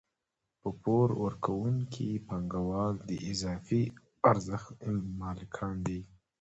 پور ورکوونکي پانګوال د اضافي ارزښت مالکان دي